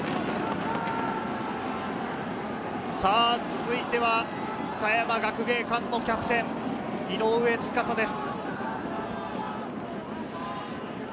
さぁ続いては、岡山学芸館のキャプテン・井上斗嵩です。